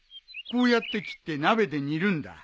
こうやって切って鍋で煮るんだ。